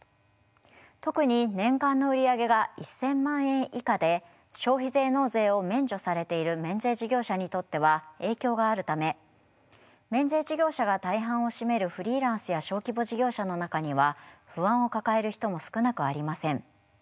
特に年間の売り上げが１，０００万円以下で消費税納税を免除されている免税事業者にとっては影響があるため免税事業者が大半を占めるフリーランスや小規模事業者の中には不安を抱える人も少なくありません。